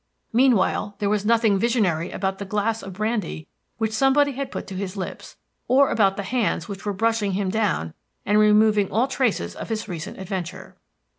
Meanwhile, there was nothing visionary about the glass of brandy which somebody had put to his lips, or about the hands which were brushing him down and removing all traces of his recent adventure.